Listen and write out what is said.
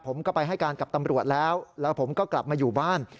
ผมก็ไปให้การกับตำรวจแล้วแล้วผมก็กลับมาอยู่บ้าน